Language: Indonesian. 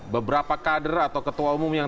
beberapa kader atau ketua umum yang